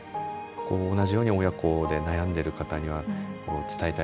同じように親子で悩んでいる方に伝えたいことって。